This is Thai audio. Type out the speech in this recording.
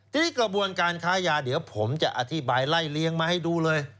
ทีนี้กระบวนการค้ายาเดี๋ยวผมจะอธิบายไล่เลี้ยงมาให้ดูเลย